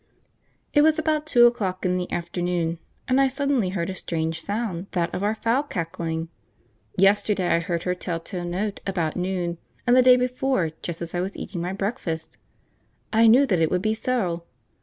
It was about two o'clock in the afternoon, and I suddenly heard a strange sound, that of our fowl cackling. Yesterday I heard her tell tale note about noon, and the day before just as I was eating my breakfast. I knew that it would be so!